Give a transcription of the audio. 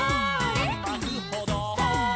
「まくほど」「」